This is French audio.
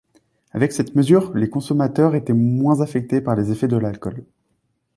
Avec cette mesure, les consommateurs étaient moins affectés par les effets de l’alcool.